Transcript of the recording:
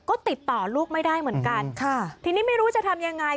ก็ติดต่อลูกไม่ได้เหมือนกันค่ะทีนี้ไม่รู้จะทำยังไง